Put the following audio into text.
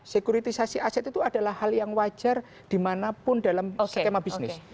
sekuritisasi aset itu adalah hal yang wajar dimanapun dalam skema bisnis